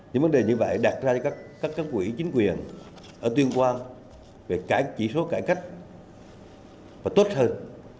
những vấn đề như vậy đặt ra cho các cấp quỹ chính quyền ở tuyên quang về chỉ số cải cách và tốt hơn